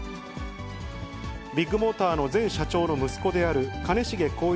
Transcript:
ビッグモーターの前社長の息子である兼重宏一